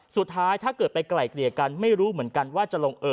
สุดท้ายถ้าเกิดไปไกล่เกลี่ยกันไม่รู้เหมือนว่าจะลงเอ่อ